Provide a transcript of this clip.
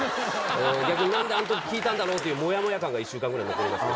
逆になんであのとき聞いたんだろうってもやもや感が１週間ぐらい残りますね。